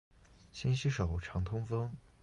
勤洗手，常通风。